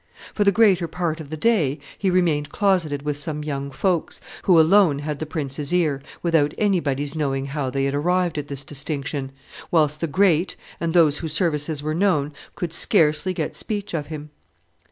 For the greater part of the day he remained closeted with some young folks, who alone had the prince's ear, without anybody's knowing how they had arrived at this distinction, whilst the great, and those whose services were known, could scarcely get speech of him.